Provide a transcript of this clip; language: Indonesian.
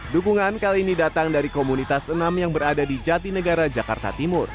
dukungan kali ini datang dari komunitas enam yang berada di jatinegara jakarta timur